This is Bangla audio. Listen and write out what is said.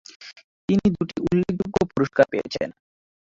তিনি দুটি উল্লেখযোগ্য পুরস্কার পেয়েছেন